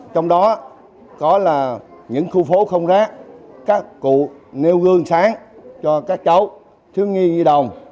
trong đó có là những khu phố không rác các cụ nêu gương sáng cho các cháu thiếu nhi di đồng